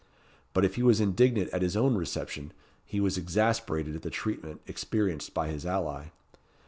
But if he was indignant at his own reception, he was exasperated at the treatment experienced by his ally.